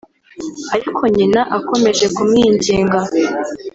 ariko Nyina akomeje kumwinginga